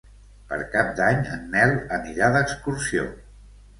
Per Cap d'Any en Nel anirà d'excursió.